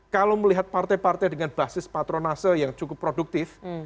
kalau melihat partai partai dengan basis patronase yang cukup produktif